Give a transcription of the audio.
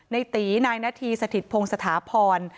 ในตีนายนาธีสถิตพงศถาพร